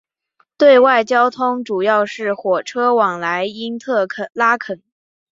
对外交通主要是火车往来因特拉肯。